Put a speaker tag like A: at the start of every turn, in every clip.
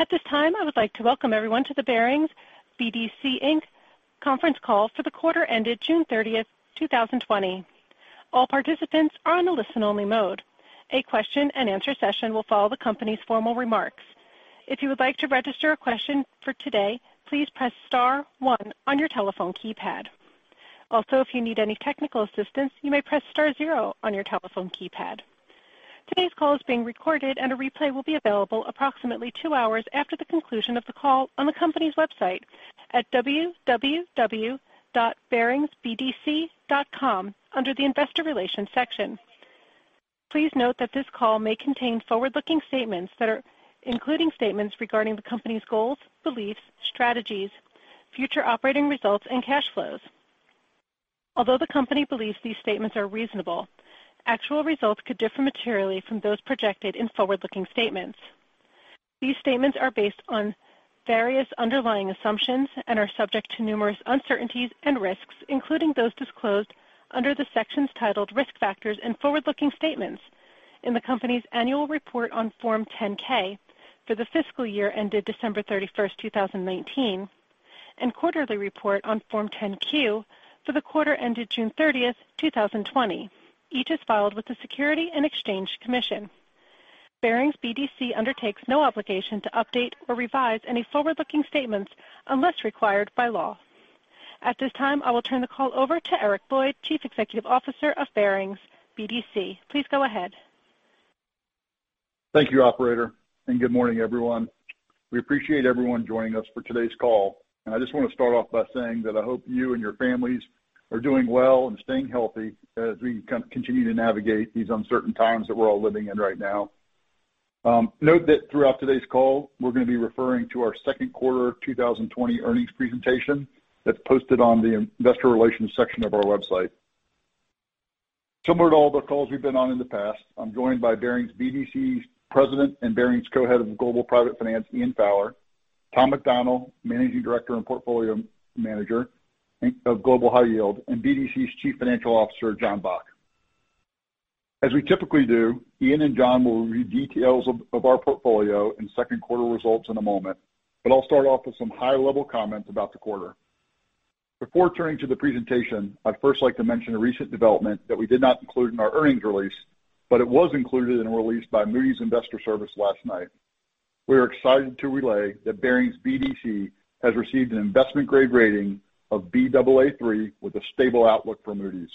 A: At this time, I would like to welcome everyone to the Barings BDC, Inc. Conference Call for the quarter ended June 30th, 2020. All participants are on a listen-only mode. A question-and-answer session will follow the company's formal remarks. If you would like to register a question for today, please press star one on your telephone keypad. If you need any technical assistance, you may press star zero on your telephone keypad. Today's call is being recorded and a replay will be available approximately two hours after the conclusion of the call on the company's website at www.baringsbdc.com under the investor relations section. Please note that this call may contain forward-looking statements including statements regarding the company's goals, beliefs, strategies, future operating results, and cash flows. Although the company believes these statements are reasonable, actual results could differ materially from those projected in forward-looking statements. These statements are based on various underlying assumptions and are subject to numerous uncertainties and risks, including those disclosed under the sections titled Risk Factors and Forward-Looking Statements in the company's annual report on Form 10-K for the fiscal year ended December 31st, 2019, and quarterly report on Form 10-Q for the quarter ended June 30th, 2020. Each is filed with the Securities and Exchange Commission. Barings BDC undertakes no obligation to update or revise any forward-looking statements unless required by law. At this time, I will turn the call over to Eric Lloyd, Chief Executive Officer of Barings BDC. Please go ahead.
B: Thank you, operator. Good morning, everyone. We appreciate everyone joining us for today's call, and I just want to start off by saying that I hope you and your families are doing well and staying healthy as we continue to navigate these uncertain times that we're all living in right now. Note that throughout today's call, we're going to be referring to our second quarter 2020 earnings presentation that's posted on the investor relations section of our website. Similar to all the calls we've been on in the past, I'm joined by Barings BDC's President and Barings Co-Head of Global Private Finance, Ian Fowler, Tom McDonnell, Managing Director and Portfolio Manager of Global High Yield, and BDC's Chief Financial Officer, Jon Bock. As we typically do, Ian and Jon will review details of our portfolio and second quarter results in a moment, but I'll start off with some high-level comments about the quarter. Before turning to the presentation, I'd first like to mention a recent development that we did not include in our earnings release. It was included and released by Moody's Investors Service last night. We are excited to relay that Barings BDC has received an investment-grade rating of Baa3 with a stable outlook for Moody's.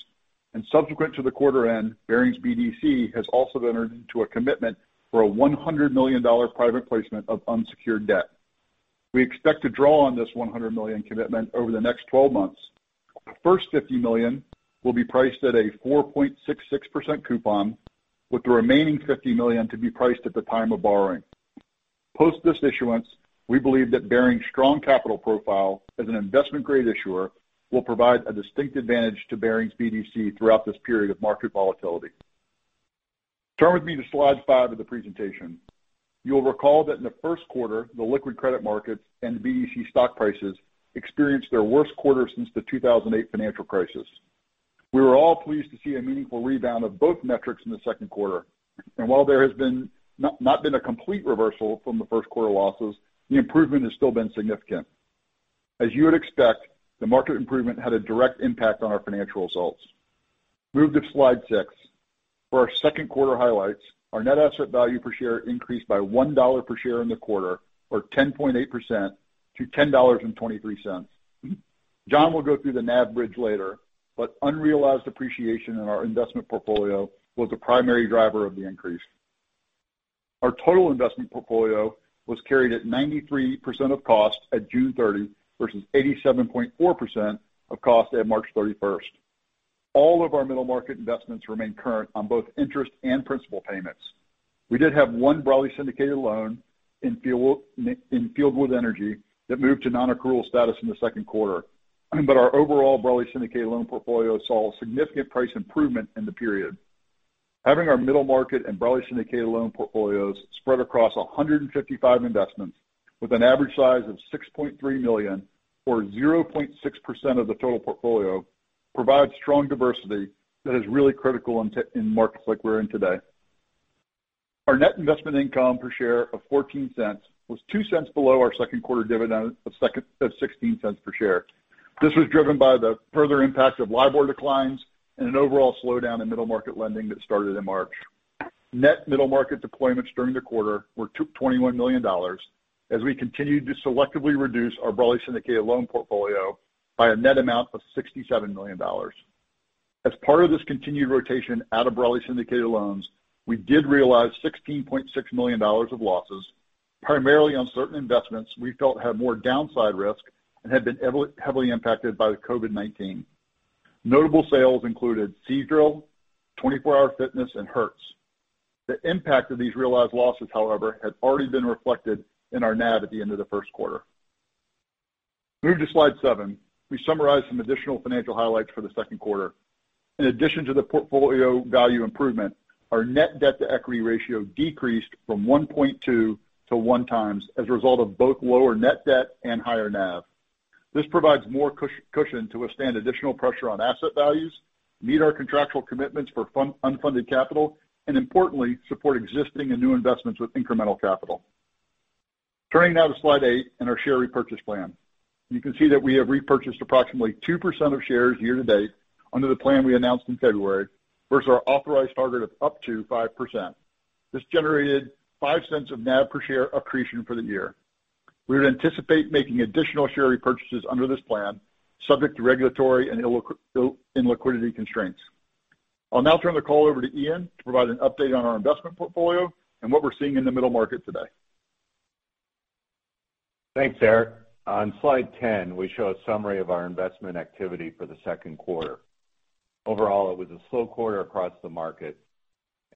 B: Subsequent to the quarter end, Barings BDC has also entered into a commitment for a $100 million private placement of unsecured debt. We expect to draw on this $100 million commitment over the next 12 months. The first $50 million will be priced at a 4.66% coupon, with the remaining $50 million to be priced at the time of borrowing. Post this issuance, we believe that Barings' strong capital profile as an investment-grade issuer will provide a distinct advantage to Barings BDC throughout this period of market volatility. Turn with me to slide five of the presentation. You will recall that in the first quarter, the liquid credit markets and BDC stock prices experienced their worst quarter since the 2008 financial crisis. We were all pleased to see a meaningful rebound of both metrics in the second quarter. While there has not been a complete reversal from the first quarter losses, the improvement has still been significant. As you would expect, the market improvement had a direct impact on our financial results. Move to slide six. For our second quarter highlights, our net asset value per share increased by $1 per share in the quarter, or 10.8%-$10.23. Jon will go through the NAV bridge later, but unrealized appreciation in our investment portfolio was the primary driver of the increase. Our total investment portfolio was carried at 93% of cost at June 30th, versus 87.4% of cost at March 31st. All of our middle market investments remain current on both interest and principal payments. We did have one broadly syndicated loan in Fieldwood Energy that moved to non-accrual status in the second quarter. Our overall broadly syndicated loan portfolio saw significant price improvement in the period. Having our middle market and broadly syndicated loan portfolios spread across 155 investments with an average size of $6.3 million or 0.6% of the total portfolio, provides strong diversity that is really critical in markets like we're in today. Our net investment income per share of $0.14 was $0.02 below our second quarter dividend of $0.16 per share. This was driven by the further impact of LIBOR declines and an overall slowdown in middle market lending that started in March. Net middle market deployments during the quarter were $21 million as we continued to selectively reduce our broadly syndicated loan portfolio by a net amount of $67 million. As part of this continued rotation out of broadly syndicated loans, we did realize $16.6 million of losses, primarily on certain investments we felt had more downside risk and had been heavily impacted by the COVID-19. Notable sales included Seadrill, 24 Hour Fitness, and Hertz. The impact of these realized losses, however, had already been reflected in our NAV at the end of the first quarter. Move to slide seven. We summarize some additional financial highlights for the second quarter. In addition to the portfolio value improvement, our net debt-to-equity ratio decreased from 1.2x-1x as a result of both lower net debt and higher NAV. This provides more cushion to withstand additional pressure on asset values, meet our contractual commitments for unfunded capital, and importantly, support existing and new investments with incremental capital. Turning now to slide eight and our share repurchase plan. You can see that we have repurchased approximately 2% of shares year-to-date under the plan we announced in February versus our authorized target of up to 5%. This generated $0.05 of NAV per share accretion for the year. We would anticipate making additional share repurchases under this plan, subject to regulatory and illiquidity constraints. I'll now turn the call over to Ian to provide an update on our investment portfolio and what we're seeing in the middle market today.
C: Thanks, Eric. On slide 10, we show a summary of our investment activity for the second quarter. Overall, it was a slow quarter across the market.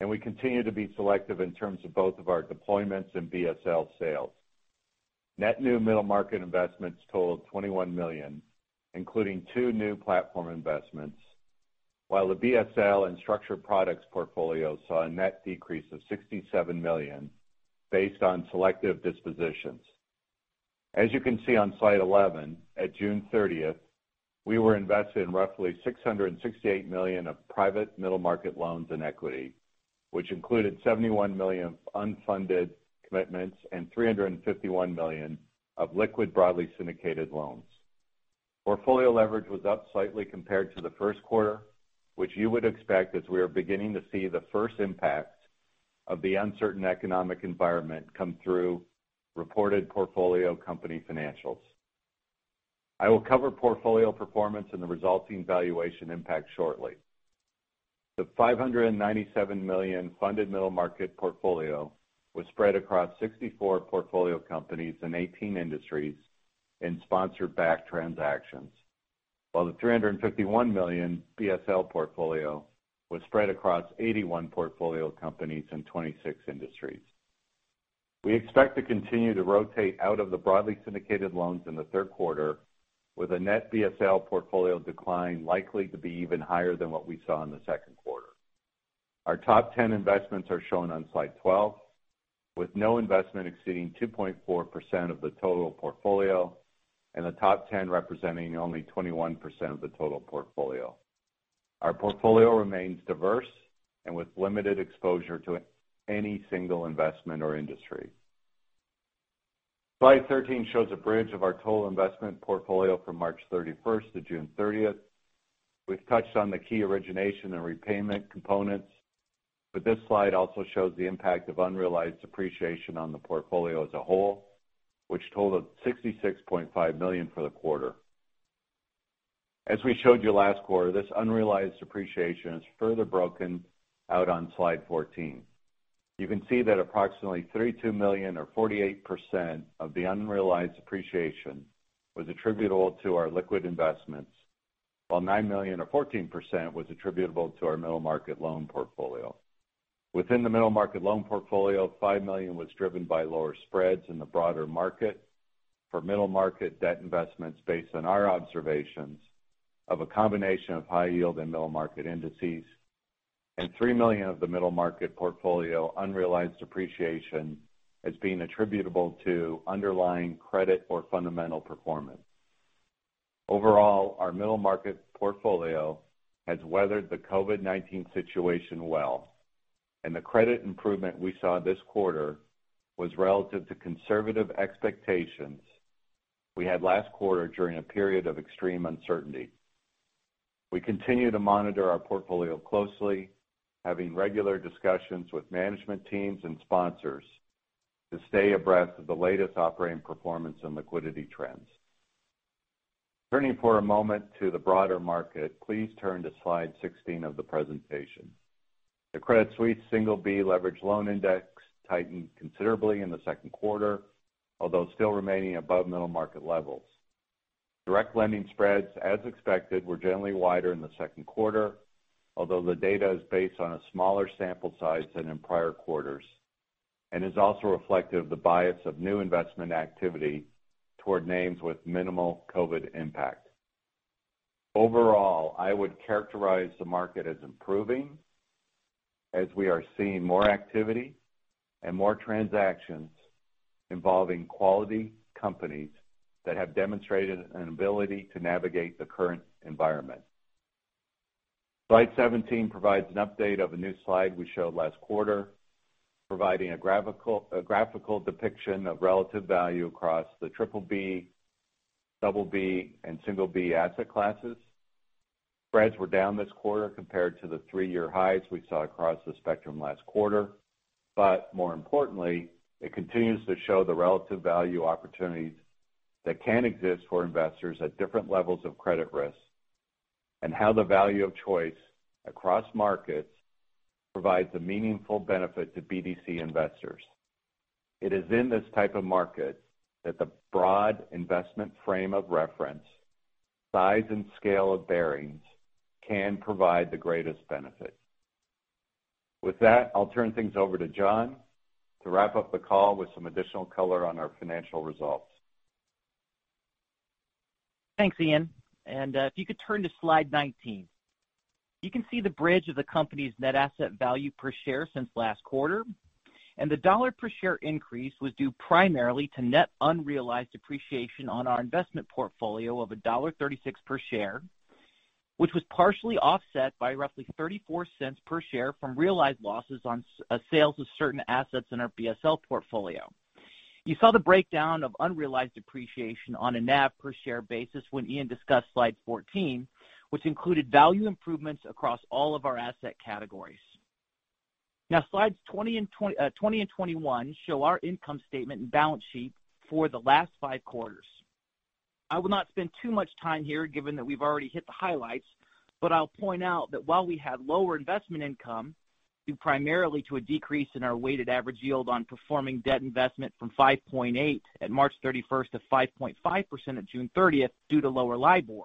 C: We continue to be selective in terms of both of our deployments and BSL sales. Net new middle market investments totaled $21 million, including two new platform investments, while the BSL and structured products portfolio saw a net decrease of $67 million based on selective dispositions. As you can see on slide 11, at June 30th, we were invested in roughly $668 million of private middle market loans and equity, which included $71 million of unfunded commitments and $351 million of liquid broadly syndicated loans. Portfolio leverage was up slightly compared to the first quarter, which you would expect as we are beginning to see the first impacts of the uncertain economic environment come through reported portfolio company financials. I will cover portfolio performance and the resulting valuation impact shortly. The $597 million funded middle market portfolio was spread across 64 portfolio companies in 18 industries in sponsor-backed transactions, while the $351 million BSL portfolio was spread across 81 portfolio companies in 26 industries. We expect to continue to rotate out of the broadly syndicated loans in the third quarter with a net BSL portfolio decline likely to be even higher than what we saw in the second quarter. Our top 10 investments are shown on slide 12, with no investment exceeding 2.4% of the total portfolio and the top 10 representing only 21% of the total portfolio. Our portfolio remains diverse and with limited exposure to any single investment or industry. Slide 13 shows a bridge of our total investment portfolio from March 31st-June 30th. We've touched on the key origination and repayment components, but this slide also shows the impact of unrealized appreciation on the portfolio as a whole, which totaled $66.5 million for the quarter. As we showed you last quarter, this unrealized appreciation is further broken out on slide 14. You can see that approximately $32 million or 48% of the unrealized appreciation was attributable to our liquid investments, while $9 million or 14% was attributable to our middle market loan portfolio. Within the middle market loan portfolio, $5 million was driven by lower spreads in the broader market for middle market debt investments based on our observations of a combination of high yield and middle market indices, and $3 million of the middle market portfolio unrealized appreciation as being attributable to underlying credit or fundamental performance. Overall, our middle market portfolio has weathered the COVID-19 situation well, and the credit improvement we saw this quarter was relative to conservative expectations we had last quarter during a period of extreme uncertainty. We continue to monitor our portfolio closely, having regular discussions with management teams and sponsors to stay abreast of the latest operating performance and liquidity trends. Turning for a moment to the broader market, please turn to slide 16 of the presentation. The Credit Suisse Single B Leveraged Loan Index tightened considerably in the second quarter, although still remaining above middle market levels. Direct lending spreads, as expected, were generally wider in the second quarter, although the data is based on a smaller sample size than in prior quarters and is also reflective of the bias of new investment activity toward names with minimal COVID impact. Overall, I would characterize the market as improving, as we are seeing more activity and more transactions involving quality companies that have demonstrated an ability to navigate the current environment. Slide 17 provides an update of a new slide we showed last quarter, providing a graphical depiction of relative value across the triple B, double B, and single B asset classes. Spreads were down this quarter compared to the three-year highs we saw across the spectrum last quarter. More importantly, it continues to show the relative value opportunities that can exist for investors at different levels of credit risk and how the value of choice across markets provides a meaningful benefit to BDC investors. It is in this type of market that the broad investment frame of reference, size and scale of Barings can provide the greatest benefit. With that, I'll turn things over to Jon to wrap up the call with some additional color on our financial results.
D: Thanks, Ian. If you could turn to slide 19. You can see the bridge of the company's net asset value per share since last quarter. The dollar per share increase was due primarily to net unrealized appreciation on our investment portfolio of $1.36 per share, which was partially offset by roughly $0.34 per share from realized losses on sales of certain assets in our BSL portfolio. You saw the breakdown of unrealized appreciation on a NAV per share basis when Ian discussed slide 14, which included value improvements across all of our asset categories. Slides 20 and 21 show our income statement and balance sheet for the last five quarters. I will not spend too much time here given that we've already hit the highlights, but I'll point out that while we had lower investment income due primarily to a decrease in our weighted average yield on performing debt investment from 5.8% at March 31st to 5.5% at June 30th due to lower LIBOR.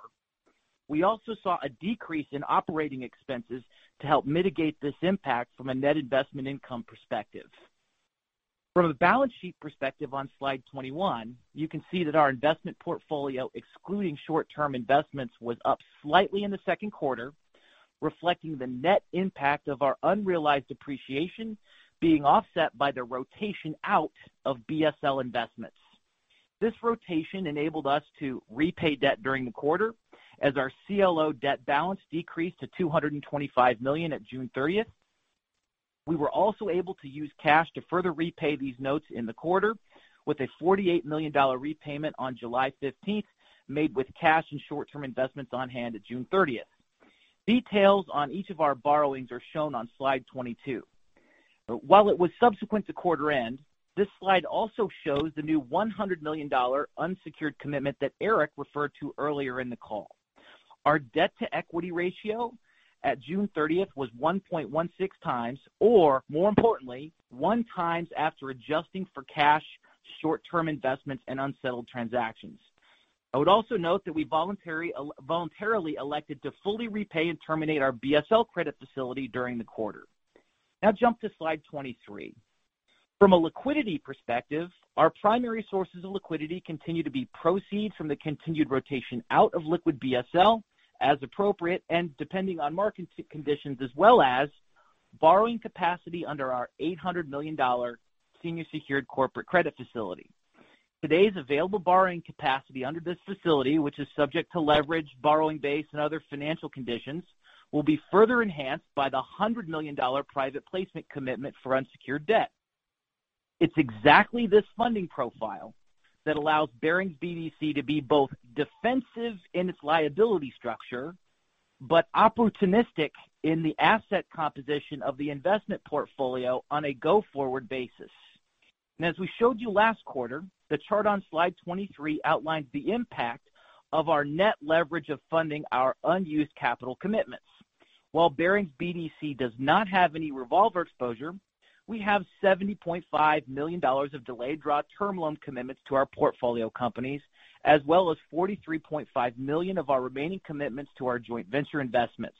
D: We also saw a decrease in operating expenses to help mitigate this impact from a net investment income perspective. From a balance sheet perspective on slide 21, you can see that our investment portfolio, excluding short-term investments, was up slightly in the second quarter, reflecting the net impact of our unrealized appreciation being offset by the rotation out of BSL investments. This rotation enabled us to repay debt during the quarter as our CLO debt balance decreased to $225 million at June 30th. We were also able to use cash to further repay these notes in the quarter with a $48 million repayment on July 15th made with cash and short-term investments on hand at June 30th. Details on each of our borrowings are shown on slide 22. While it was subsequent to quarter end, this slide also shows the new $100 million unsecured commitment that Eric referred to earlier in the call. Our debt-to-equity ratio at June 30th was 1.16x, or more importantly, 1x after adjusting for cash, short-term investments, and unsettled transactions. I would also note that we voluntarily elected to fully repay and terminate our BSL credit facility during the quarter. Jump to slide 23. From a liquidity perspective, our primary sources of liquidity continue to be proceeds from the continued rotation out of liquid BSL as appropriate, and depending on market conditions, as well as borrowing capacity under our $800 million senior secured corporate credit facility. Today's available borrowing capacity under this facility, which is subject to leverage, borrowing base, and other financial conditions, will be further enhanced by the $100 million private placement commitment for unsecured debt. It's exactly this funding profile that allows Barings BDC to be both defensive in its liability structure, but opportunistic in the asset composition of the investment portfolio on a go-forward basis. As we showed you last quarter, the chart on slide 23 outlines the impact of our net leverage of funding our unused capital commitments. While Barings BDC does not have any revolver exposure, we have $70.5 million of delayed draw term loan commitments to our portfolio companies, as well as $43.5 million of our remaining commitments to our joint venture investments.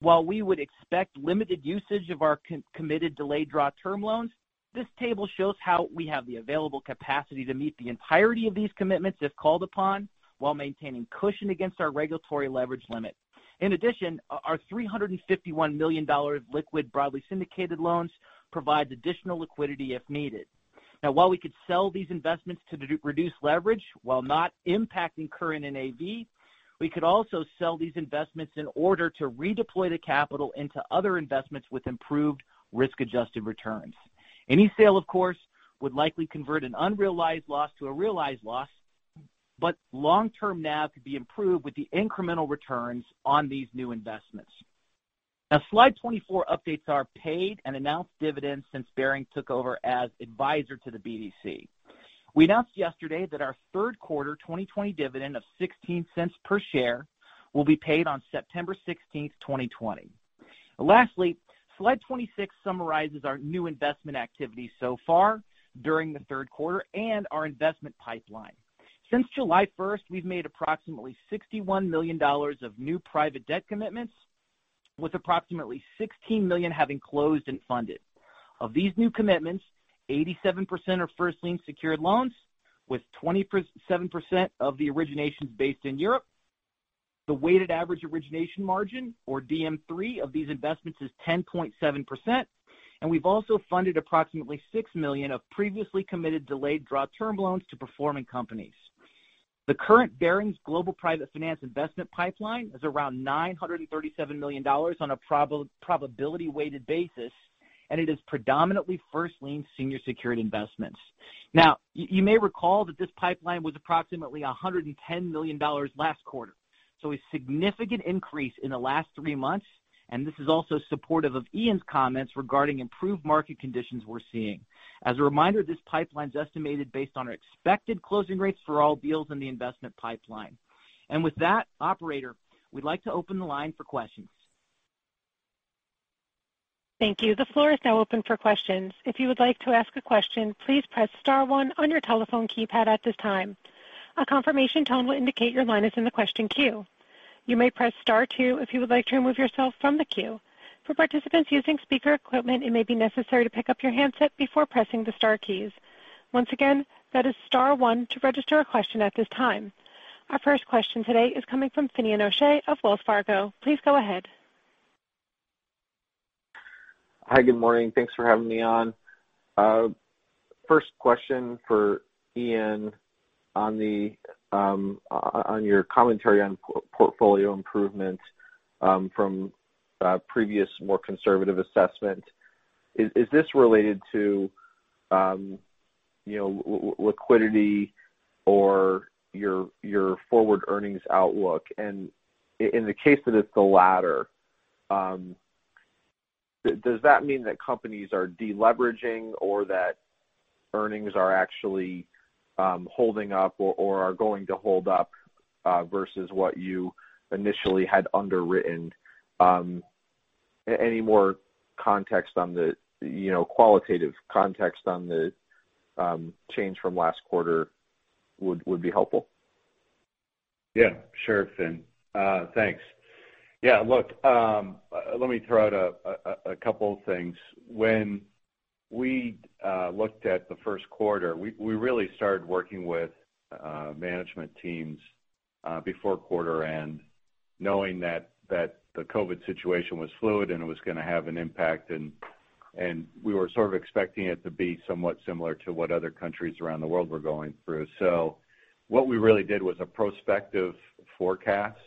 D: While we would expect limited usage of our committed delayed draw term loans, this table shows how we have the available capacity to meet the entirety of these commitments, if called upon, while maintaining cushion against our regulatory leverage limit. In addition, our $351 million liquid broadly syndicated loans provides additional liquidity if needed. Now while we could sell these investments to reduce leverage while not impacting current NAV, we could also sell these investments in order to redeploy the capital into other investments with improved risk-adjusted returns. Any sale, of course, would likely convert an unrealized loss to a realized loss, but long-term NAV could be improved with the incremental returns on these new investments. Slide 24 updates our paid and announced dividends since Barings took over as advisor to the BDC. We announced yesterday that our third quarter 2020 dividend of $0.16 per share will be paid on September 16th, 2020. Slide 26 summarizes our new investment activity so far during the third quarter and our investment pipeline. Since July 1st, we've made approximately $61 million of new private debt commitments, with approximately $16 million having closed and funded. Of these new commitments, 87% are first-lien secured loans with 27% of the originations based in Europe. The weighted average origination margin, or DM3, of these investments is 10.7%, and we've also funded approximately $6 million of previously committed delayed draw term loans to performing companies. The current Barings Global Private Finance investment pipeline is around $937 million on a probability weighted basis, and it is predominantly first-lien senior secured investments. Now, you may recall that this pipeline was approximately $110 million last quarter. A significant increase in the last three months, and this is also supportive of Ian's comments regarding improved market conditions we're seeing. As a reminder, this pipeline is estimated based on our expected closing rates for all deals in the investment pipeline. With that, operator, we'd like to open the line for questions.
A: Thank you. The floor is now open for questions. If you would like to ask a question, please press star one on your telephone keypad at this time. A confirmation tone will indicate your line is in the question queue. You may press star two if you would like to remove yourself from the queue. For participants using speaker equipment, it may be necessary to pick up your handset before pressing the star keys. Once again, that is star one to register a question at this time. Our first question today is coming from Finian O'Shea of Wells Fargo. Please go ahead.
E: Hi. Good morning. Thanks for having me on. First question for Ian on your commentary on portfolio improvement from previous more conservative assessment. Is this related to liquidity or your forward earnings outlook? In the case that it's the latter, does that mean that companies are de-leveraging or that earnings are actually holding up or are going to hold up versus what you initially had underwritten? Any more qualitative context on the change from last quarter would be helpful.
C: Yeah. Sure, Fin. Thanks. Yeah, look, let me throw out a couple of things. When we looked at the first quarter, we really started working with management teams before quarter end knowing that the COVID situation was fluid and it was going to have an impact, and we were sort of expecting it to be somewhat similar to what other countries around the world were going through. What we really did was a prospective forecast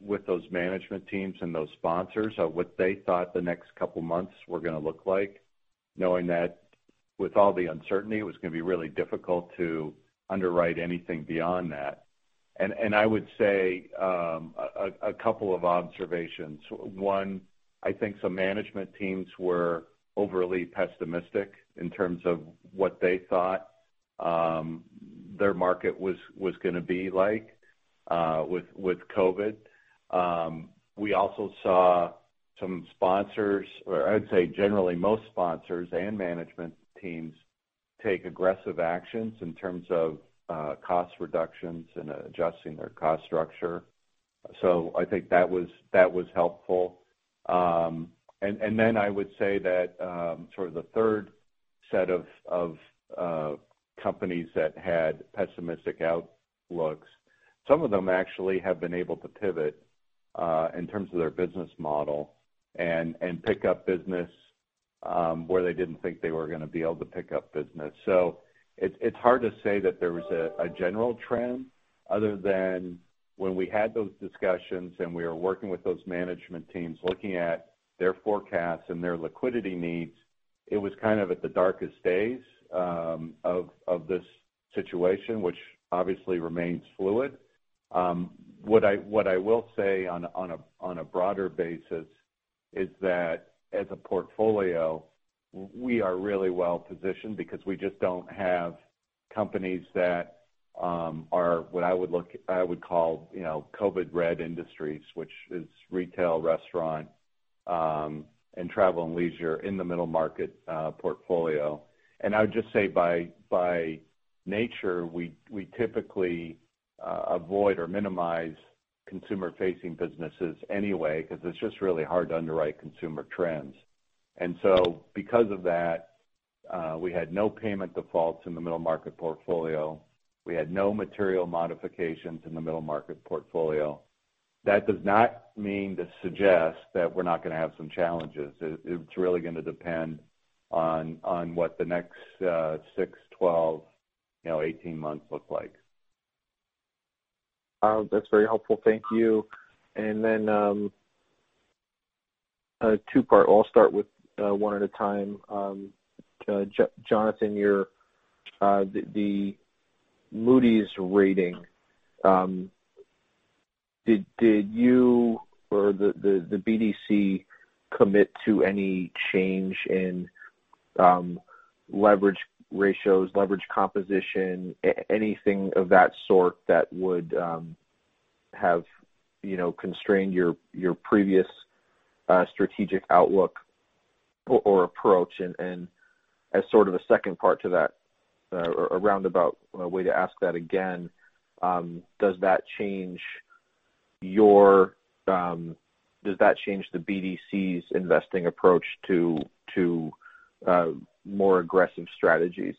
C: with those management teams and those sponsors of what they thought the next couple of months were going to look like, knowing that with all the uncertainty, it was going to be really difficult to underwrite anything beyond that. I would say a couple of observations. One, I think some management teams were overly pessimistic in terms of what they thought their market was going to be like with COVID. We also saw some sponsors, or I'd say generally most sponsors and management teams take aggressive actions in terms of cost reductions and adjusting their cost structure. I think that was helpful. Then I would say that sort of the third set of companies that had pessimistic outlooks, some of them actually have been able to pivot in terms of their business model and pick up business where they didn't think they were going to be able to pick up business. It's hard to say that there was a general trend other than when we had those discussions and we were working with those management teams looking at their forecasts and their liquidity needs. It was kind of at the darkest days of this situation, which obviously remains fluid. What I will say on a broader basis is that as a portfolio, we are really well-positioned because we just don't have companies that are what I would call COVID red industries, which is retail, restaurant, and travel and leisure in the middle market portfolio. I would just say by nature, we typically avoid or minimize consumer-facing businesses anyway because it's just really hard to underwrite consumer trends. Because of that, we had no payment defaults in the middle market portfolio. We had no material modifications in the middle market portfolio. That does not mean to suggest that we're not going to have some challenges. It's really going to depend on what the next six, 12, 18 months look like.
E: That's very helpful. Thank you. Then, two-part. I'll start with one at a time. Jonathan, the Moody's rating. Did you or the BDC commit to any change in leverage ratios, leverage composition, anything of that sort that would have constrained your previous strategic outlook or approach? As sort of a second part to that, or a roundabout way to ask that again, does that change the BDC's investing approach to more aggressive strategies?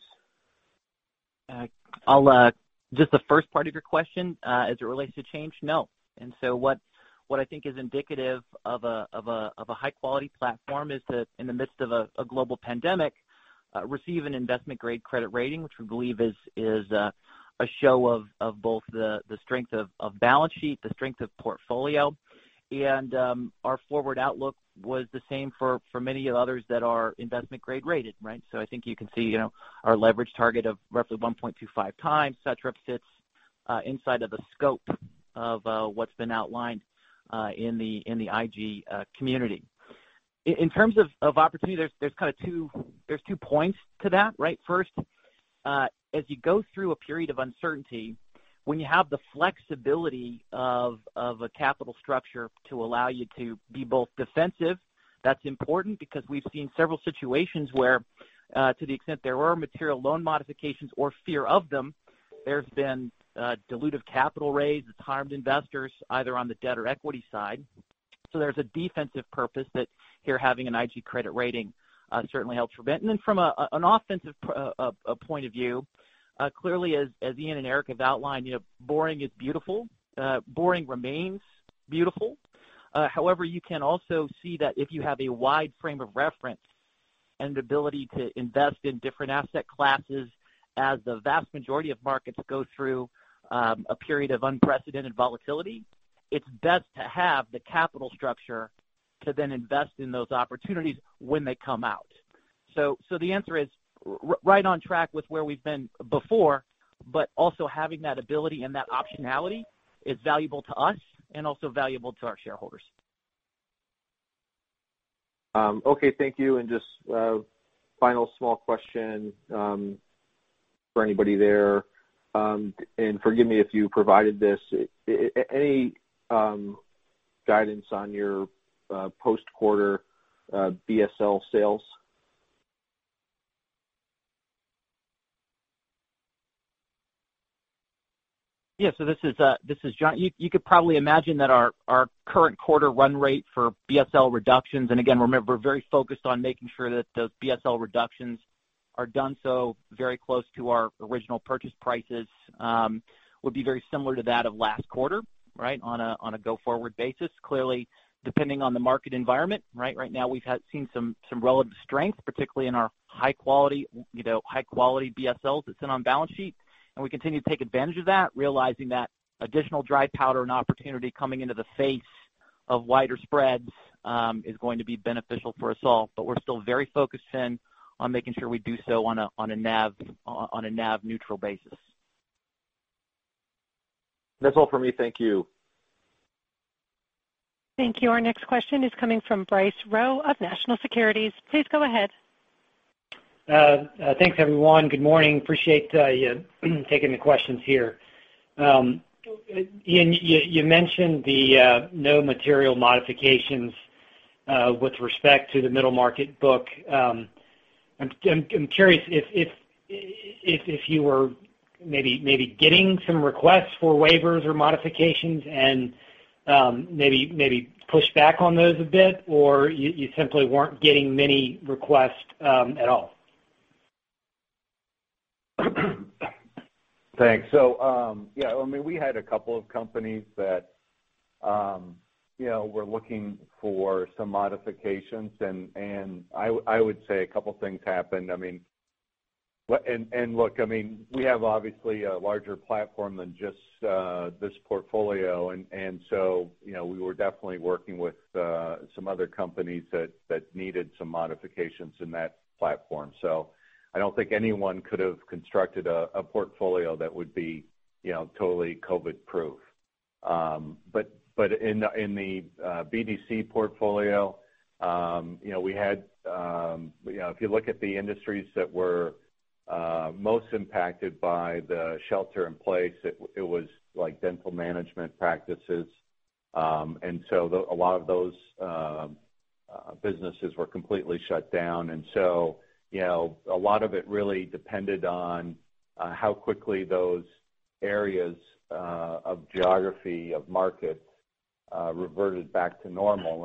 D: Just the first part of your question as it relates to change, no. What I think is indicative of a high-quality platform is that in the midst of a global pandemic, receive an investment-grade credit rating, which we believe is a show of both the strength of balance sheet, the strength of portfolio. Our forward outlook was the same for many others that are investment grade-rated, right? I think you can see our leverage target of roughly 1.25x, et cetera, sits inside of the scope of what's been outlined in the IG community. In terms of opportunity, there's kind of two points to that, right? First, as you go through a period of uncertainty, when you have the flexibility of a capital structure to allow you to be both defensive, that's important because we've seen several situations where to the extent there were material loan modifications or fear of them, there's been dilutive capital raise that's harmed investors either on the debt or equity side. There's a defensive purpose that here having an IG credit rating certainly helps prevent. From an offensive point of view, clearly as Ian and Eric have outlined, boring is beautiful. Boring remains beautiful. However, you can also see that if you have a wide frame of reference and ability to invest in different asset classes as the vast majority of markets go through a period of unprecedented volatility, it's best to have the capital structure to then invest in those opportunities when they come out. The answer is right on track with where we've been before, but also having that ability and that optionality is valuable to us and also valuable to our shareholders.
E: Okay. Thank you. Just a final small question for anybody there. Forgive me if you provided this. Any guidance on your post-quarter BSL sales?
D: Yeah. This is Jon. You could probably imagine that our current quarter run rate for BSL reductions, and again, remember, we're very focused on making sure that those BSL reductions are done so very close to our original purchase prices would be very similar to that of last quarter on a go-forward basis. Clearly, depending on the market environment. Right now, we've seen some relative strength, particularly in our high-quality BSLs that sit on balance sheet. We continue to take advantage of that, realizing that additional dry powder and opportunity coming into the face of wider spreads is going to be beneficial for us all. We're still very focused in on making sure we do so on a NAV-neutral basis.
E: That's all for me. Thank you.
A: Thank you. Our next question is coming from Bryce Rowe of National Securities. Please go ahead.
F: Thanks, everyone. Good morning. Appreciate taking the questions here. Ian, you mentioned the no material modifications with respect to the middle market book. I'm curious if you were maybe getting some requests for waivers or modifications and maybe pushed back on those a bit, or you simply weren't getting many requests at all.
C: Thanks. Yeah, we had a couple of companies that were looking for some modifications. I would say a couple of things happened. Look, we have obviously a larger platform than just this portfolio. We were definitely working with some other companies that needed some modifications in that platform. I don't think anyone could have constructed a portfolio that would be totally COVID-proof. In the BDC portfolio, if you look at the industries that were most impacted by the shelter in place, it was like dental management practices. A lot of those businesses were completely shut down. A lot of it really depended on how quickly those areas of geography of markets reverted back to normal.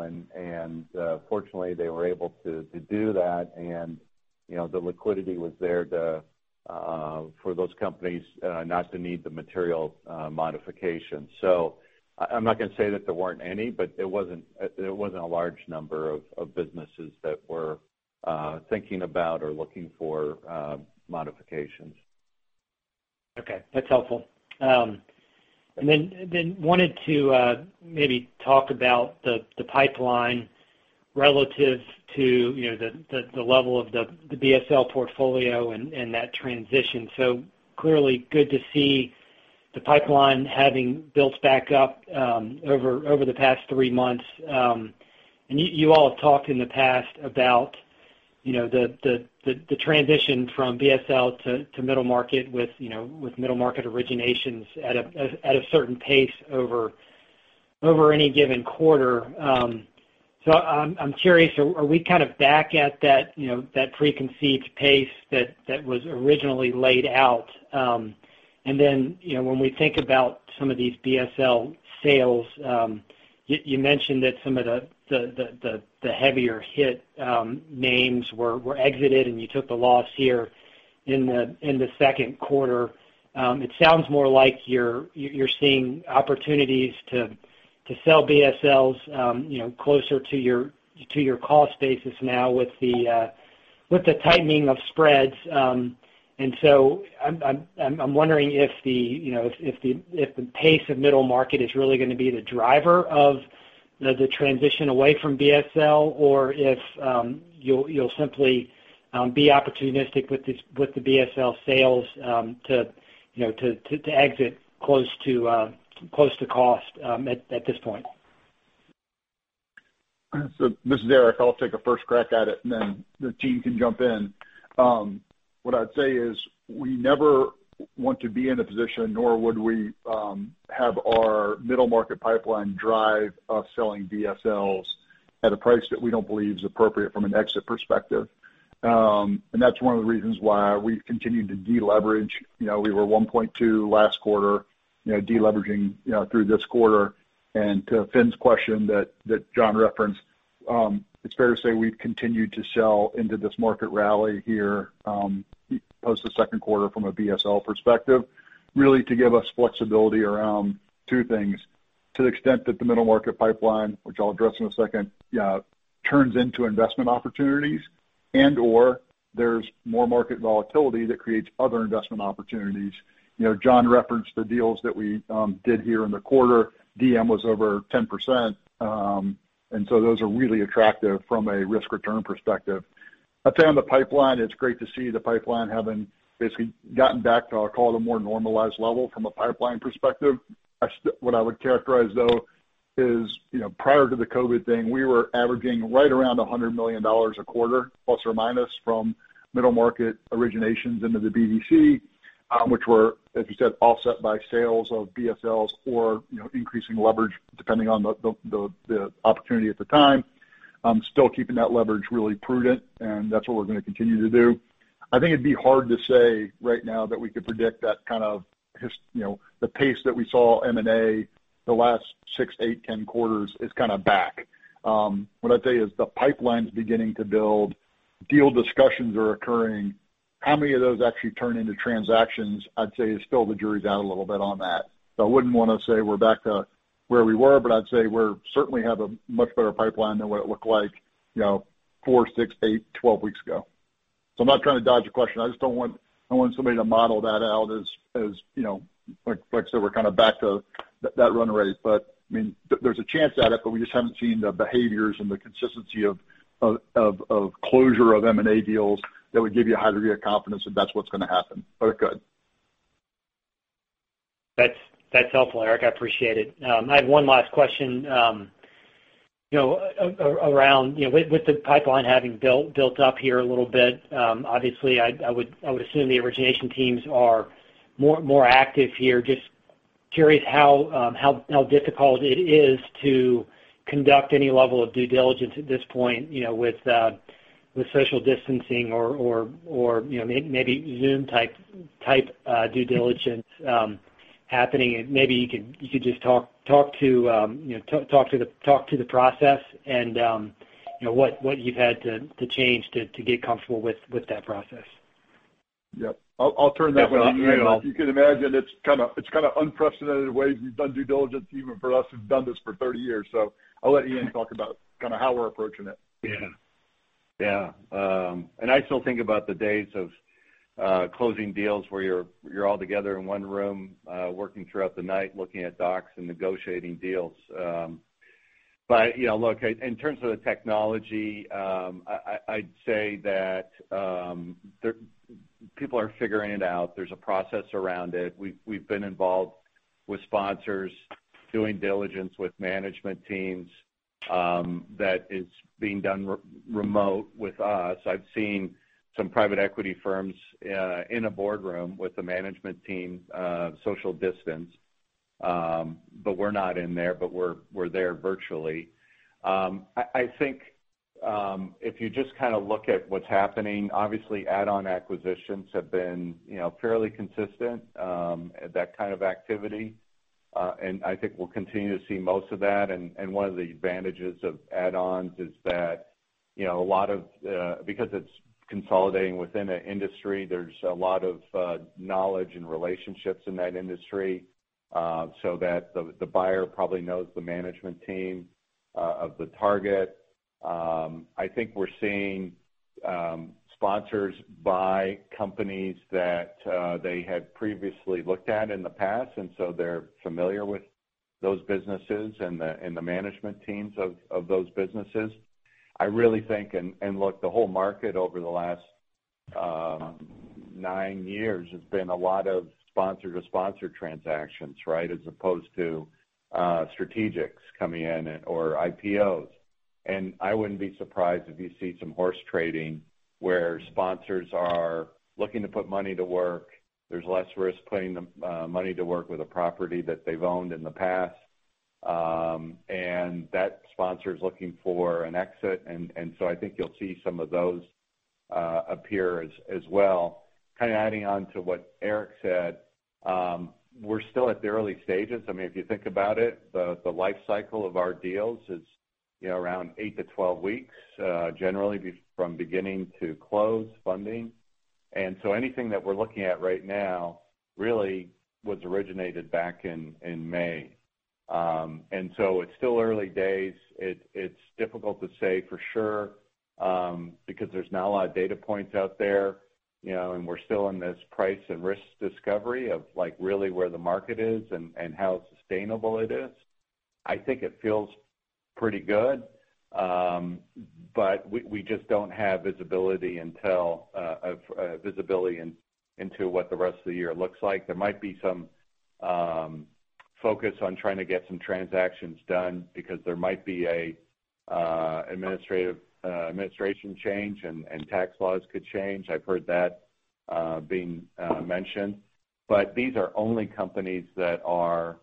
C: Fortunately, they were able to do that, and the liquidity was there for those companies not to need the material modification. I'm not going to say that there weren't any, but there wasn't a large number of businesses that were thinking about or looking for modifications.
F: Okay. That's helpful. Wanted to maybe talk about the pipeline relative to the level of the BSL portfolio and that transition. Clearly good to see the pipeline having built back up over the past three months. You all have talked in the past about the transition from BSL to middle market with middle market originations at a certain pace over any given quarter. I'm curious, are we kind of back at that preconceived pace that was originally laid out? When we think about some of these BSL sales, you mentioned that some of the heavier hit names were exited and you took the loss here in the second quarter. It sounds more like you're seeing opportunities to sell BSLs closer to your cost basis now with the tightening of spreads. I'm wondering if the pace of middle market is really going to be the driver of the transition away from BSL or if you'll simply be opportunistic with the BSL sales to exit close to cost at this point.
B: This is Eric. I'll take a first crack at it and then the team can jump in. What I'd say is we never want to be in a position, nor would we have our middle market pipeline drive us selling BSLs at a price that we don't believe is appropriate from an exit perspective. That's one of the reasons why we've continued to de-leverage. We were 1.2x last quarter, de-leveraging through this quarter. To Fin's question that Jon referenced, it's fair to say we've continued to sell into this market rally here, post the second quarter from a BSL perspective, really to give us flexibility around two things. To the extent that the middle market pipeline, which I'll address in a second, turns into investment opportunities, and/or there's more market volatility that creates other investment opportunities. Jon referenced the deals that we did here in the quarter. DM was over 10%. Those are really attractive from a risk-return perspective. I'd say on the pipeline, it's great to see the pipeline having basically gotten back to, I'll call it, a more normalized level from a pipeline perspective. What I would characterize, though, is prior to the COVID thing, we were averaging right around $100 million a quarter, plus or minus, from middle market originations into the BDC, which were, as you said, offset by sales of BSLs or increasing leverage, depending on the opportunity at the time. Still keeping that leverage really prudent. That's what we're going to continue to do. I think it'd be hard to say right now that we could predict that kind of the pace that we saw M&A the last six, eight, 10 quarters is kind of back. What I'd say is the pipeline's beginning to build. Deal discussions are occurring. How many of those actually turn into transactions, I'd say, is still the jury's out a little bit on that. I wouldn't want to say we're back to where we were, but I'd say we certainly have a much better pipeline than what it looked like four, six, eight, 12 weeks ago. I'm not trying to dodge a question. I just don't want somebody to model that out as, like I said, we're kind of back to that run rate. There's a chance at it, but we just haven't seen the behaviors and the consistency of closure of M&A deals that would give you a high degree of confidence that that's what's going to happen. It could.
F: That's helpful, Eric. I appreciate it. I have one last question. With the pipeline having built up here a little bit, obviously, I would assume the origination teams are more active here. Just curious how difficult it is to conduct any level of due diligence at this point with social distancing or maybe Zoom-type due diligence happening. Maybe you could just talk to the process and what you've had to change to get comfortable with that process.
B: Yep. I'll turn that one to Ian. You can imagine it's kind of unprecedented ways we've done due diligence, even for us who've done this for 30 years. I'll let Ian talk about how we're approaching it.
C: Yeah. I still think about the days of closing deals where you're all together in one room, working throughout the night, looking at docs and negotiating deals. Look, in terms of the technology, I'd say that people are figuring it out. There's a process around it. We've been involved with sponsors doing diligence with management teams that is being done remote with us. I've seen some private equity firms in a boardroom with the management team social distance. We're not in there, but we're there virtually. I think if you just kind of look at what's happening, obviously add-on acquisitions have been fairly consistent, that kind of activity. I think we'll continue to see most of that. One of the advantages of add-ons is that because it's consolidating within an industry, there's a lot of knowledge and relationships in that industry, so that the buyer probably knows the management team of the target. I think we're seeing sponsors buy companies that they had previously looked at in the past, and so they're familiar with those businesses and the management teams of those businesses. I really think, and look, the whole market over the last nine years has been a lot of sponsor-to-sponsor transactions, as opposed to strategics coming in or IPOs. I wouldn't be surprised if you see some horse trading where sponsors are looking to put money to work. There's less risk putting the money to work with a property that they've owned in the past. That sponsor is looking for an exit, and so I think you'll see some of those appear as well. Kind of adding on to what Eric said, we're still at the early stages. If you think about it, the life cycle of our deals is around 8-12 weeks, generally from beginning to close funding. Anything that we're looking at right now really was originated back in May. It's still early days. It's difficult to say for sure because there's not a lot of data points out there, and we're still in this price and risk discovery of really where the market is and how sustainable it is. I think it feels pretty good. We just don't have visibility into what the rest of the year looks like. There might be some focus on trying to get some transactions done because there might be an administration change, and tax laws could change. I've heard that being mentioned. These are only companies that are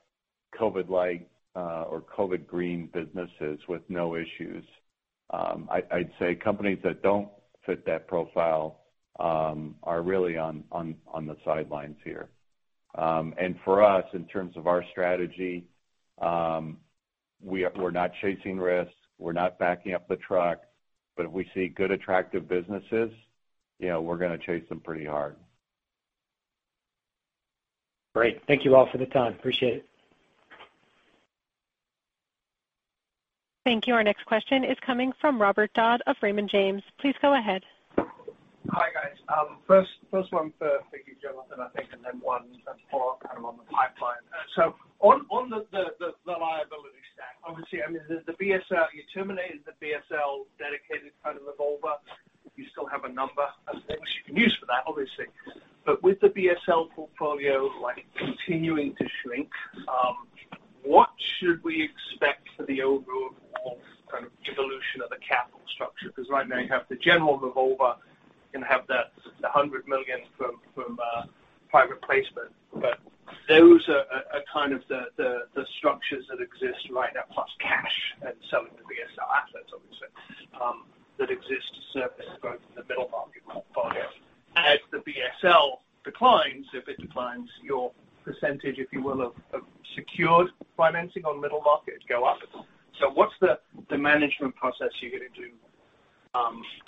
C: COVID-like or COVID green businesses with no issues. I'd say companies that don't fit that profile are really on the sidelines here. For us, in terms of our strategy, we're not chasing risks. We're not backing up the truck. If we see good, attractive businesses, we're going to chase them pretty hard.
F: Great. Thank you all for the time. Appreciate it.
A: Thank you. Our next question is coming from Robert Dodd of Raymond James. Please go ahead.
G: Hi, guys. First one for you, Jonathan, I think, and then one for kind of on the pipeline. On the liability stack, obviously, you terminated the BSL dedicated kind of revolver. You still have a number of things you can use for that, obviously. With the BSL portfolio continuing to shrink, what should we expect for the overall kind of evolution of the capital structure? Right now you have the general revolver and have the $100 million from private placement. Those are kind of the structures that exist right now, plus cash and selling the BSL assets, obviously, that exist servicing both the middle market portfolios. As the BSL declines, if it declines your percentage, if you will, of secured financing on middle market, it go up. What's the management process you're going to do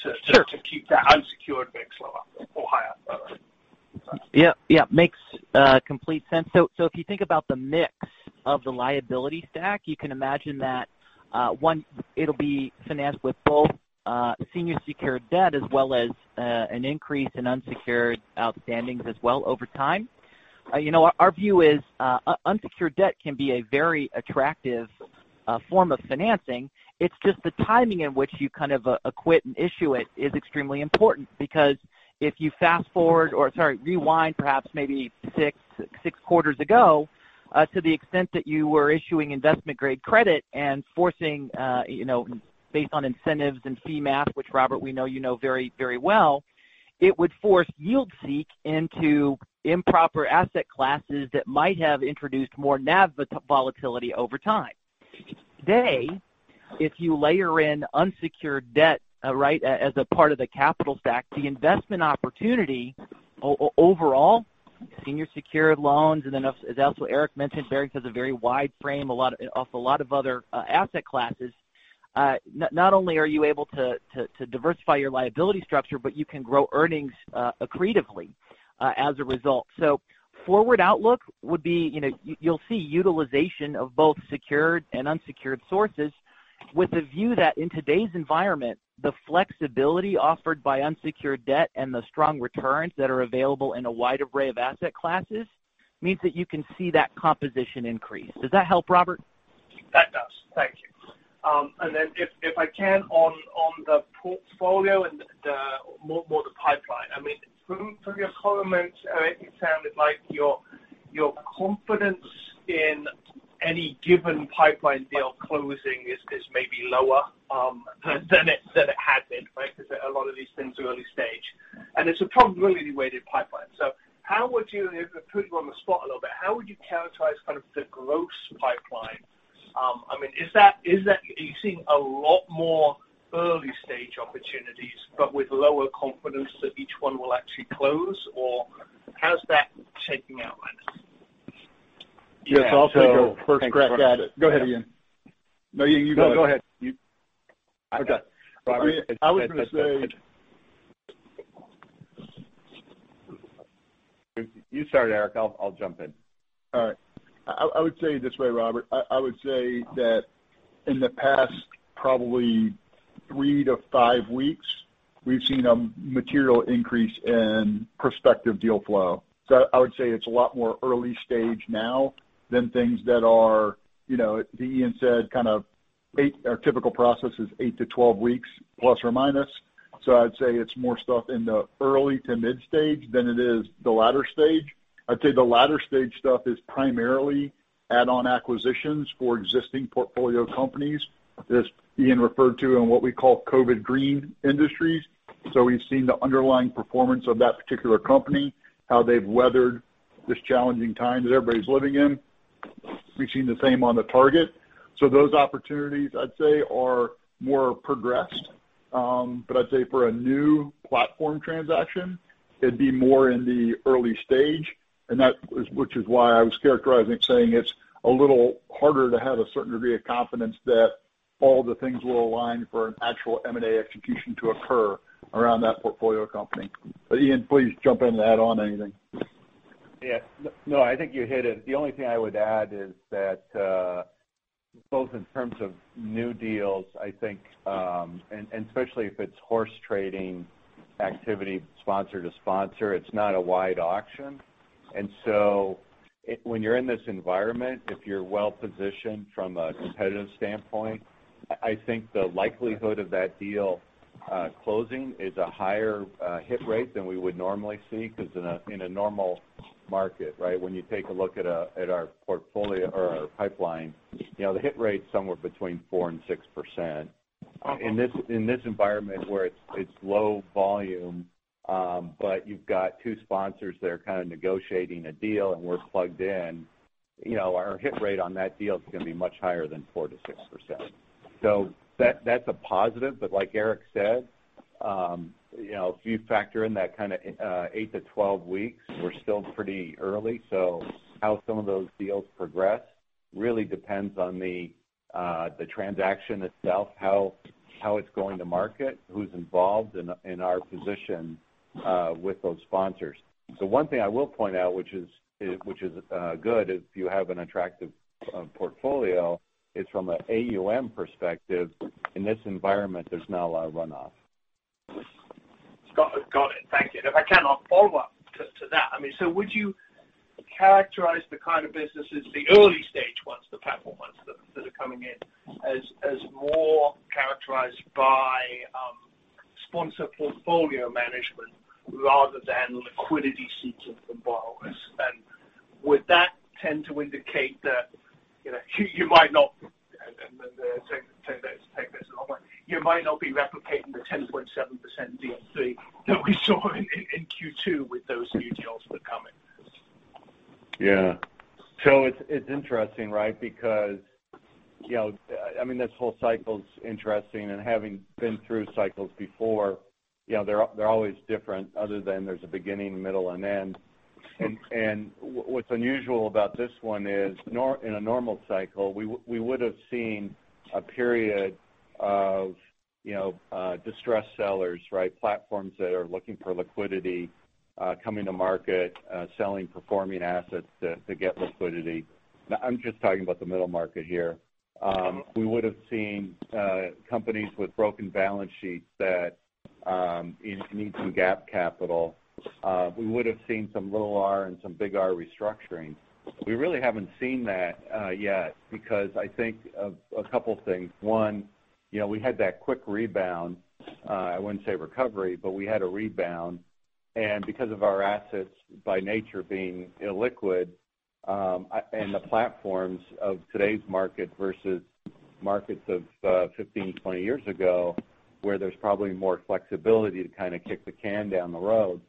G: to-
D: Sure.
G: Keep that unsecured mix lower or higher?
D: Yeah. Makes complete sense. If you think about the mix of the liability stack, you can imagine that, one, it'll be financed with both senior secured debt as well as an increase in unsecured outstandings as well over time. Our view is unsecured debt can be a very attractive form of financing. It's just the timing in which you kind of acquit and issue it is extremely important because if you fast-forward or, sorry, rewind perhaps maybe six quarters ago to the extent that you were issuing investment-grade credit and forcing based on incentives and fee math, which, Robert, we know you know very well, it would force yield seek into improper asset classes that might have introduced more NAV volatility over time. Today, if you layer in unsecured debt as a part of the capital stack, the investment opportunity overall, senior secured loans, as also Eric mentioned, Barings has a very wide frame off a lot of other asset classes. Not only are you able to diversify your liability structure, but you can grow earnings accretively as a result. Forward outlook would be you'll see utilization of both secured and unsecured sources with the view that in today's environment, the flexibility offered by unsecured debt and the strong returns that are available in a wide array of asset classes means that you can see that composition increase. Does that help, Robert?
G: That does. Thank you. If I can on the portfolio and more the pipeline. From your comments, it sounded like your confidence in any given pipeline deal closing is maybe lower than it had been, right? A lot of these things are early stage, and it's a probability-weighted pipeline. If I put you on the spot a little bit, how would you characterize kind of the gross pipeline? Are you seeing a lot more early-stage opportunities but with lower confidence that each one will actually close, or how's that shaking out, guys?
B: Yes. I'll take a first crack at it.
D: Go ahead, Ian.
C: No, you go ahead.
D: No, go ahead.
C: Okay. Robert.
D: I was going to say. You start, Eric. I'll jump in.
B: All right. I would say it this way, Robert. I would say that in the past probably three-five weeks, we've seen a material increase in prospective deal flow. I would say it's a lot more early stage now than things that are, as Ian said, kind of our typical process is 8-12 weeks plus or minus. I'd say it's more stuff in the early to mid-stage than it is the latter stage. I'd say the latter stage stuff is primarily add-on acquisitions for existing portfolio companies, as Ian referred to in what we call COVID green industries. We've seen the underlying performance of that particular company, how they've weathered this challenging time that everybody's living in. We've seen the same on the target. Those opportunities, I'd say, are more progressed. I'd say for a new platform transaction, it'd be more in the early stage. Which is why I was characterizing saying it's a little harder to have a certain degree of confidence that all the things will align for an actual M&A execution to occur around that portfolio company. Ian, please jump in to add on anything.
C: Yeah. No, I think you hit it. The only thing I would add is that both in terms of new deals, I think, and especially if it's horse trading activity sponsor to sponsor, it's not a wide auction. When you're in this environment, if you're well-positioned from a competitive standpoint, I think the likelihood of that deal closing is a higher hit rate than we would normally see because in a normal market when you take a look at our portfolio or our pipeline, the hit rate's somewhere between 4% and 6%. In this environment where it's low volume, but you've got two sponsors that are kind of negotiating a deal and we're plugged in, our hit rate on that deal is going to be much higher than 4%-6%. That's a positive. Like Eric said, if you factor in that kind of 8-12 weeks, we're still pretty early. How some of those deals progress really depends on the transaction itself, how it's going to market, who's involved, and our position with those sponsors. The one thing I will point out, which is good if you have an attractive portfolio, is from an AUM perspective, in this environment, there's not a lot of runoff.
G: Got it. Thank you. If I can, I'll follow up to that. Would you characterize the kind of businesses, the early stage ones, the platform ones that are coming in as more characterized by sponsor portfolio management rather than liquidity seeking from borrowers? Would that tend to indicate that you might not, and take this the long way, you might not be replicating the 10.7% DM3 that we saw in Q2 with those new deals that are coming?
C: It's interesting, right? This whole cycle is interesting, and having been through cycles before, they're always different other than there's a beginning, middle, and end. What's unusual about this one is, in a normal cycle, we would've seen a period of distressed sellers, right? Platforms that are looking for liquidity, coming to market, selling performing assets to get liquidity. I'm just talking about the middle market here. We would've seen companies with broken balance sheets that need some gap capital. We would've seen some little R and some big R restructuring. We really haven't seen that yet because I think a couple things. One, we had that quick rebound. I wouldn't say recovery, but we had a rebound. Because of our assets by nature being illiquid, and the platforms of today's market versus markets of 15, 20 years ago, where there's probably more flexibility to kind of kick the can down the road.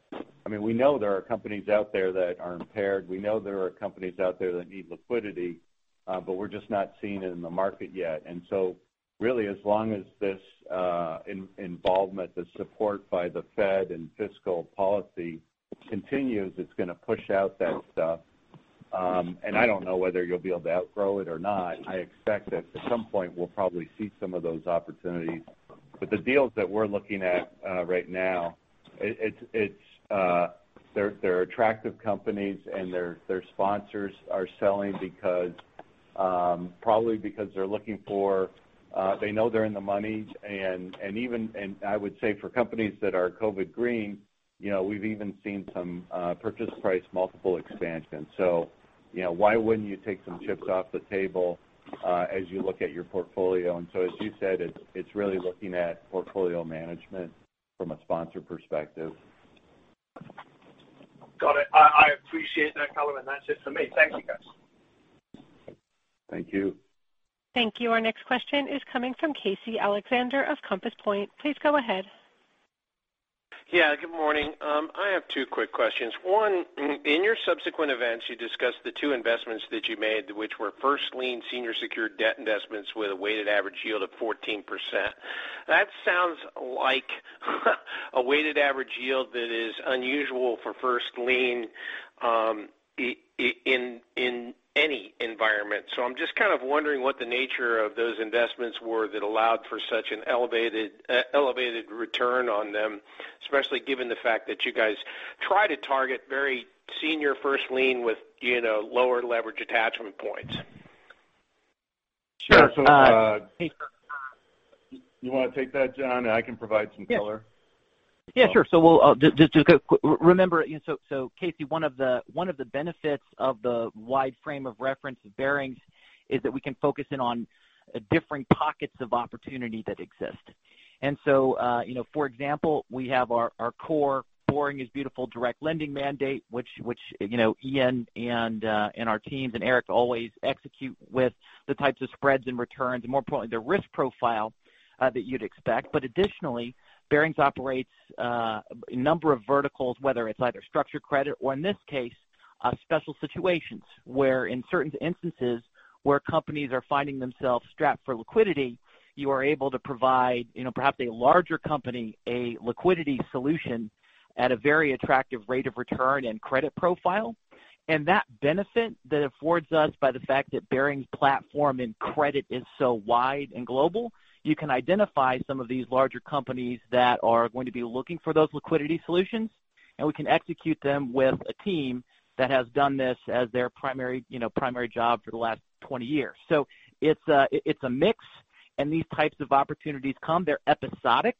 C: We know there are companies out there that are impaired. We know there are companies out there that need liquidity. We're just not seeing it in the market yet. Really, as long as this involvement, the support by the Fed and fiscal policy continues, it's going to push out that stuff. I don't know whether you'll be able to outgrow it or not. I expect that at some point, we'll probably see some of those opportunities. The deals that we're looking at right now, they're attractive companies, and their sponsors are selling probably because they know they're in the money. I would say for companies that are COVID green, we've even seen some purchase price multiple expansions. Why wouldn't you take some chips off the table as you look at your portfolio? As you said, it's really looking at portfolio management from a sponsor perspective.
G: Got it. I appreciate that c/olor. That's it for me. Thank you, guys.
C: Thank you.
A: Thank you. Our next question is coming from Casey Alexander of Compass Point. Please go ahead.
H: Yeah, good morning. I have two quick questions. One, in your subsequent events, you discussed the two investments that you made, which were first-lien senior secured debt investments with a weighted average yield of 14%. That sounds like a weighted average yield that is unusual for first lien in any environment. I'm just kind of wondering what the nature of those investments were that allowed for such an elevated return on them, especially given the fact that you guys try to target very senior first lien with lower leverage attachment points.
C: Sure. You want to take that, Jon? I can provide some color.
D: Yeah. Sure. Just remember, Casey, one of the benefits of the wide frame of reference of Barings is that we can focus in on different pockets of opportunity that exist. For example, we have our core boring is beautiful direct lending mandate, which Ian and our teams and Eric always execute with the types of spreads and returns, and more importantly, the risk profile that you'd expect. Additionally, Barings operates a number of verticals, whether it's either structured credit or in this case, special situations where in certain instances where companies are finding themselves strapped for liquidity, you are able to provide perhaps a larger company, a liquidity solution at a very attractive rate of return and credit profile. That benefit that affords us by the fact that Barings' platform in credit is so wide and global, you can identify some of these larger companies that are going to be looking for those liquidity solutions, and we can execute them with a team that has done this as their primary job for the last 20 years. It's a mix, and these types of opportunities come. They're episodic,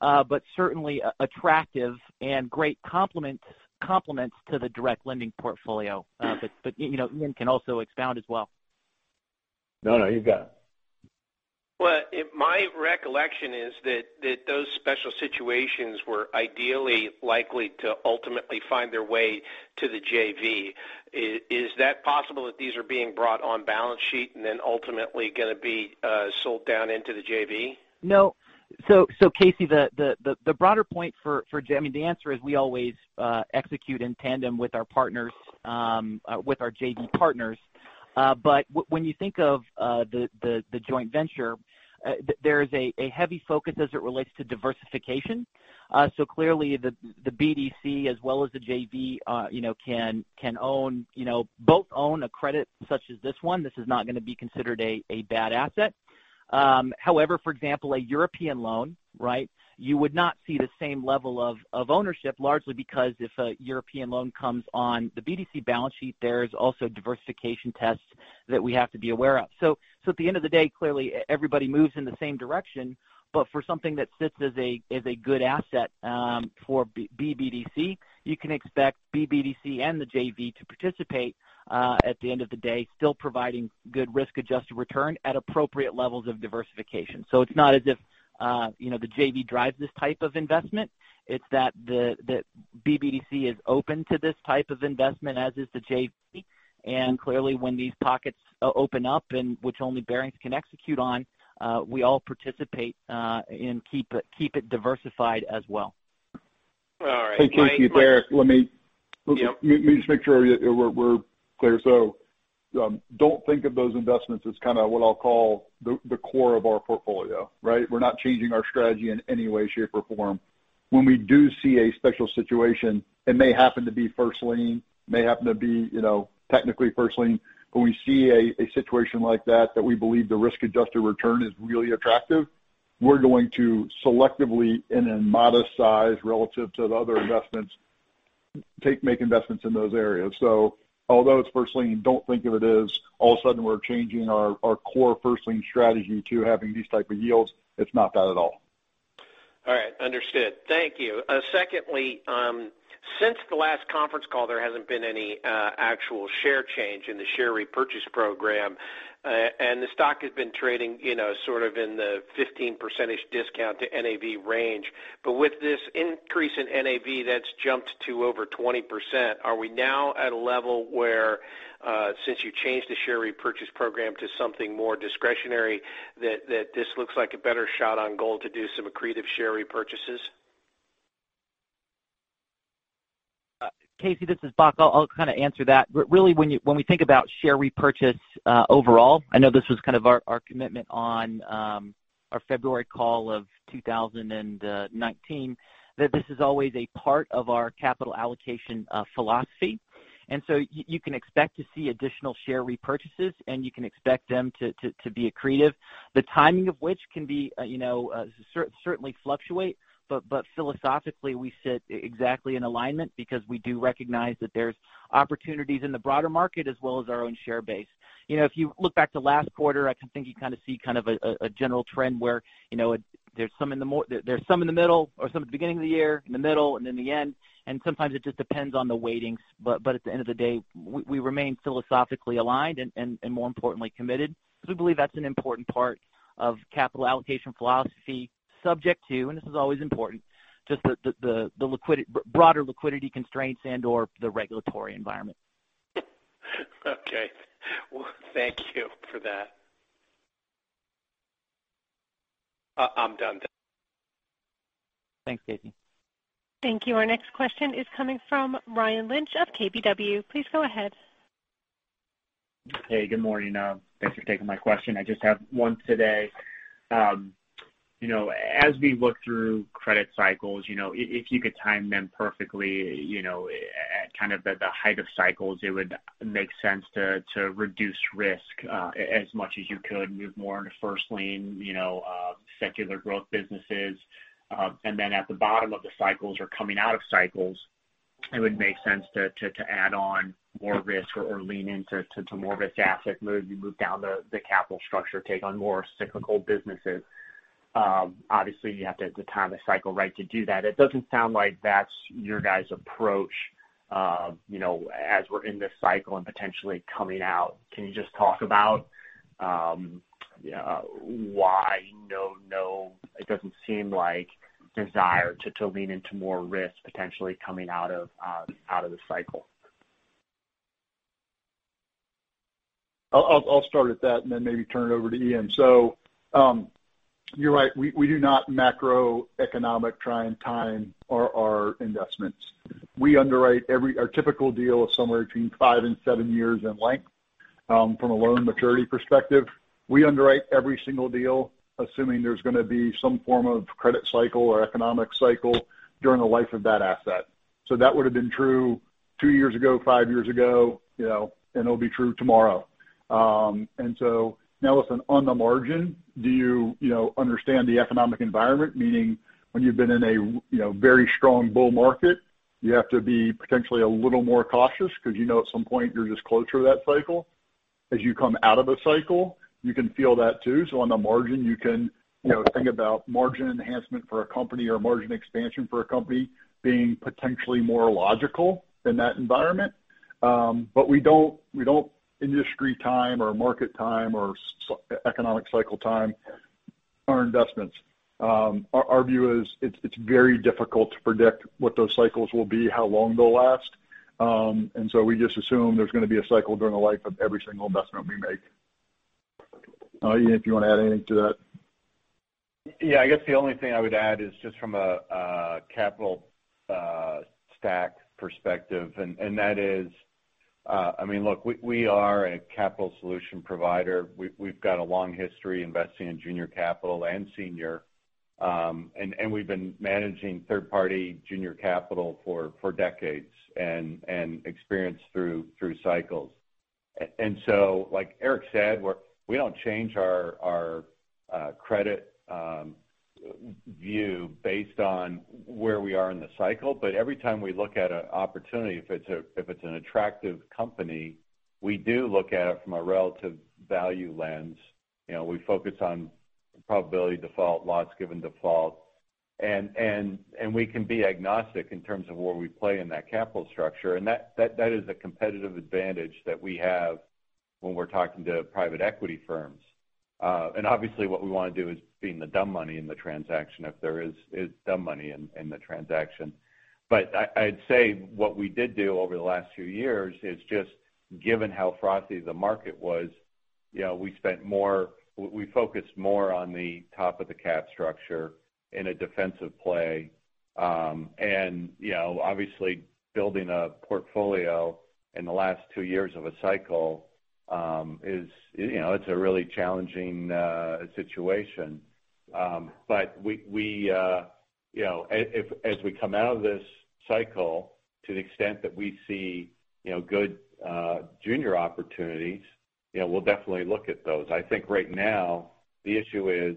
D: but certainly attractive and great complements to the direct lending portfolio. Ian can also expound as well.
C: No, you got it.
H: Well, my recollection is that those special situations were ideally likely to ultimately find their way to the JV. Is that possible that these are being brought on balance sheet and then ultimately going to be sold down into the JV?
D: No. Casey, the broader point for-- I mean, the answer is we always execute in tandem with our partners, with our JV partners. When you think of the joint venture, there is a heavy focus as it relates to diversification. Clearly the BDC as well as the JV both own a credit such as this one. This is not going to be considered a bad asset. However, for example, a European loan, right? You would not see the same level of ownership, largely because if a European loan comes on the BDC balance sheet, there's also diversification tests that we have to be aware of. At the end of the day, clearly everybody moves in the same direction. For something that sits as a good asset for BBDC, you can expect BBDC and the JV to participate, at the end of the day, still providing good risk-adjusted return at appropriate levels of diversification. It's not as if the JV drives this type of investment. It's that the BBDC is open to this type of investment, as is the JV. Clearly when these pockets open up and which only Barings can execute on, we all participate and keep it diversified as well.
B: All right. Hey, Casey, Eric, let me just make sure we're clear. Don't think of those investments as kind of what I'll call the core of our portfolio, right? We're not changing our strategy in any way, shape, or form. When we do see a special situation, it may happen to be first lien, may happen to be technically first lien. When we see a situation like that we believe the risk-adjusted return is really attractive, we're going to selectively and in modest size relative to the other investments, make investments in those areas. Although it's first lien, don't think of it as all of a sudden, we're changing our core first lien strategy to having these type of yields. It's not that at all.
H: All right. Understood. Thank you. Secondly, since the last conference call, there hasn't been any actual share change in the share repurchase program. The stock has been trading sort of in the 15% discount to NAV range. With this increase in NAV that's jumped to over 20%, are we now at a level where, since you changed the share repurchase program to something more discretionary, that this looks like a better shot on goal to do some accretive share repurchases?
D: Casey, this is Bock. I'll kind of answer that. Really when we think about share repurchase overall, I know this was kind of our commitment on our February call of 2019, that this is always a part of our capital allocation philosophy. You can expect to see additional share repurchases and you can expect them to be accretive. The timing of which can certainly fluctuate. Philosophically, we sit exactly in alignment because we do recognize that there's opportunities in the broader market as well as our own share base. If you look back to last quarter, I think you kind of see kind of a general trend where there's some in the middle or some at the beginning of the year, in the middle and in the end, and sometimes it just depends on the weightings. At the end of the day, we remain philosophically aligned and more importantly, committed because we believe that's an important part of capital allocation philosophy, subject to, and this is always important, just the broader liquidity constraints and/or the regulatory environment.
H: Okay. Well, thank you for that. I'm done.
D: Thanks, Casey.
A: Thank you. Our next question is coming from Ryan Lynch of KBW. Please go ahead.
I: Hey, good morning. Thanks for taking my question. I just have one today. As we look through credit cycles, if you could time them perfectly at kind of the height of cycles, it would make sense to reduce risk as much as you could, move more into first lien secular growth businesses. Then at the bottom of the cycles or coming out of cycles, it would make sense to add on more risk or lean into more risk asset, maybe move down the capital structure, take on more cyclical businesses. Obviously, you have to time the cycle right to do that. It doesn't sound like that's your guys' approach as we're in this cycle and potentially coming out. Can you just talk about why no, it doesn't seem like desire to lean into more risk potentially coming out of the cycle?
B: I'll start at that and then maybe turn it over to Ian. You're right. We do not macroeconomic try and time our investments. Our typical deal is somewhere between five and seven years in length from a loan maturity perspective. We underwrite every single deal assuming there's going to be some form of credit cycle or economic cycle during the life of that asset. That would have been true two years ago, five years ago, and it'll be true tomorrow. Now listen, on the margin, do you understand the economic environment? Meaning when you've been in a very strong bull market, you have to be potentially a little more cautious because you know at some point you're just closer to that cycle. As you come out of a cycle, you can feel that too. On the margin, you can think about margin enhancement for a company or margin expansion for a company being potentially more logical in that environment. We don't industry time or market time or economic cycle time our investments. Our view is it's very difficult to predict what those cycles will be, how long they'll last. We just assume there's going to be a cycle during the life of every single investment we make. Ian, if you want to add anything to that?
C: Yeah, I guess the only thing I would add is just from a capital stack perspective, and that is, look, we are a capital solution provider. We've got a long history investing in junior capital and senior, and we've been managing third-party junior capital for decades and experienced through cycles. Like Eric said, we don't change our credit view based on where we are in the cycle. Every time we look at an opportunity, if it's an attractive company, we do look at it from a relative value lens. We focus on probability of default, loss given default, and we can be agnostic in terms of where we play in that capital structure, and that is a competitive advantage that we have when we're talking to private equity firms. Obviously, what we want to do is be the dumb money in the transaction if there is dumb money in the transaction. I'd say what we did do over the last few years is just given how frothy the market was, we focused more on the top of the cap structure in a defensive play. Obviously, building a portfolio in the last two years of a cycle, it's a really challenging situation. As we come out of this cycle, to the extent that we see good junior opportunities, we'll definitely look at those. I think right now the issue is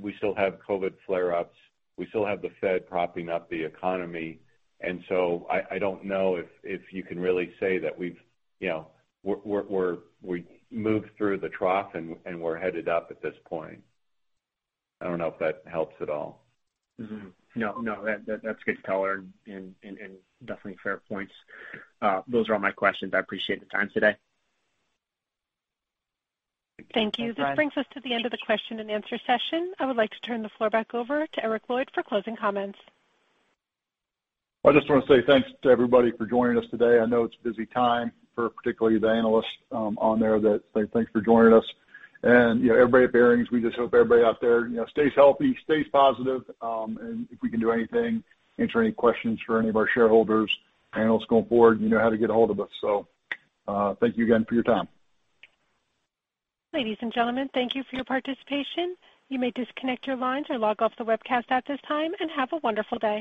C: we still have COVID-19 flare-ups. We still have the Fed propping up the economy. I don't know if you can really say that we moved through the trough, and we're headed up at this point. I don't know if that helps at all.
I: No, that's good color and definitely fair points. Those are all my questions. I appreciate the time today.
A: Thank you. This brings us to the end of the question-and-answer session. I would like to turn the floor back over to Eric Lloyd for closing comments.
B: I just want to say thanks to everybody for joining us today. I know it's a busy time for particularly the analysts on there. Thanks for joining us. Everybody at Barings, we just hope everybody out there stays healthy, stays positive. If we can do anything, answer any questions for any of our shareholders, analysts going forward, you know how to get a hold of us. Thank you again for your time.
A: Ladies and gentlemen, thank you for your participation. You may disconnect your lines or log off the webcast at this time, and have a wonderful day.